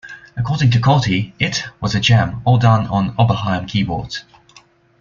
According to Cauty, It was a jam, all done on Oberheim keyboards.